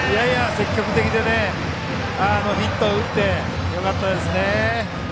積極的でヒットを打ってよかったですね。